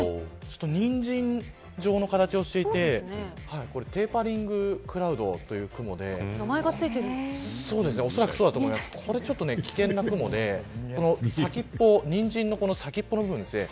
にんじん状の形をしていてテーパリングクラウドという雲でこれはちょっと危険な雲でニンジンの先っぽの部分ですね